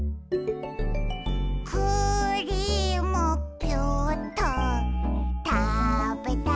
「クリームピューっとたべたいな」